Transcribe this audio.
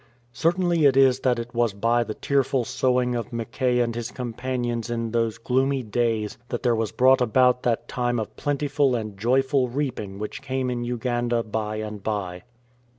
Certain it is that it was by the tearful sowing of Mackay and his companions in those gloomy days that there was brought about that time of plentiful and joyful reaping which came in Uganda by and by.